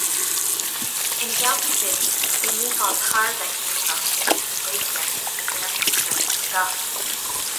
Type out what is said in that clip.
Ina theannta sin, bhí Mícheál thar a bheith gníomhach ó thaobh na Gaeilge agus na Gaeltacht de i gcaitheamh a shaoil.